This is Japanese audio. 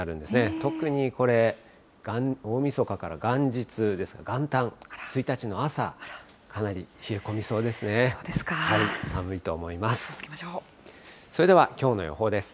特にこれ、大みそかから元日ですか、元旦、１日の朝、かなり冷え込みそうですね。